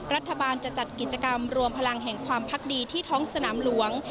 รัฐบาลจะจัดกิจกรรมรวมพลังแห่งความพักดีที่ท้องสนามหลวง